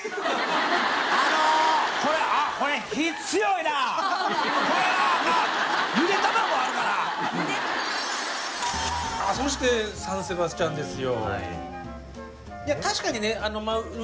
あっそしてサンセバスチャンですよ